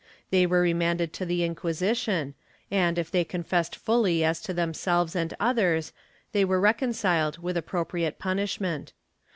They were remanded to the Inquisition and, if they confessed fully as to themselves and others, they were reconciled with appropriate punishment.